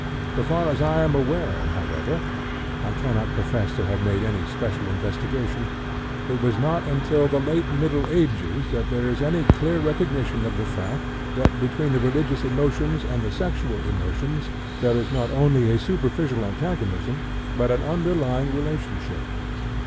So far as I am aware, however (I cannot profess to have made any special investigation), it was not until the late Middle Ages that there is any clear recognition of the fact that, between the religious emotions and the sexual emotions, there is not only a superficial antagonism, but an underlying relationship.